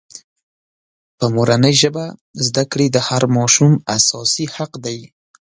په مورنۍ ژبه زدکړې د هر ماشوم اساسي حق دی.